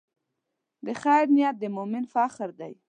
د خیر نیت د مؤمن فخر دی.